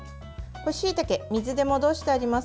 干ししいたけ水で戻してあります。